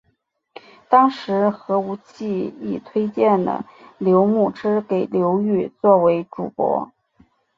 当时何无忌亦推荐了刘穆之给刘裕作为主簿。